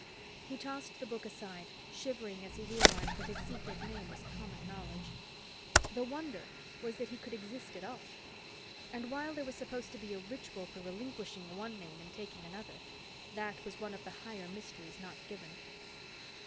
He tossed the book aside, shivering as he realized that his secret name was common knowledge. The wonder was that he could exist at all. And while there was supposed to be a ritual for relinquishing one name and taking another, that was one of the higher mysteries not given.